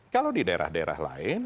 kalau di daerah daerah lain